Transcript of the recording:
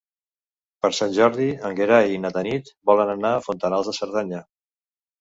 Per Sant Jordi en Gerai i na Tanit volen anar a Fontanals de Cerdanya.